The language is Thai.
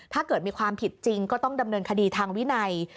ถ้าเกิดมีความผิดจริงก็ต้องดำเนินคดีทางวินัย